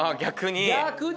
逆に。